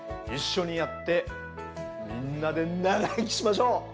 一緒にやってみんなで長生きしましょう！